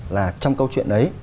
là trong câu chuyện ấy